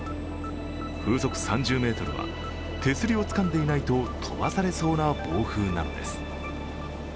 風速３０メートルは、手すりをつかんでいないと飛ばされそうな暴風なのです。